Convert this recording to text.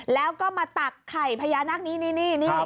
แล้วก็มาตักไข่พญานาคนี้นี่